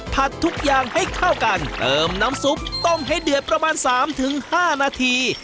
ทุกอย่างให้เข้ากันเติมน้ำซุปต้มให้เดือดประมาณ๓๕นาที